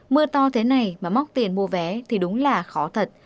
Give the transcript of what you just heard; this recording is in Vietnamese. mưa to thế này mà móc tiền mua vé thì đúng là khó thật